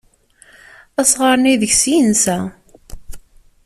Asɣar-nni deg-s i yensa.